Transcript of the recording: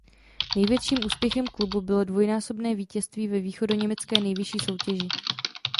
Největším úspěchem klubu bylo dvojnásobné vítězství ve východoněmecké nejvyšší soutěži.